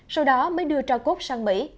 sau đó mới đưa cho cốt sang mỹ